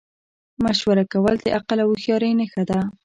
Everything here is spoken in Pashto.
مشوره کول د عقل او هوښیارۍ نښه ده.